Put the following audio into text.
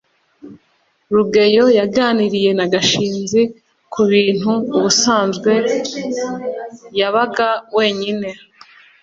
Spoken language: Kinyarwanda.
rugeyo yaganiriye na gashinzi ku bintu ubusanzwe yabaga wenyine